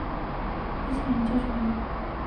他在各地建设回民小学和伊斯兰教学校。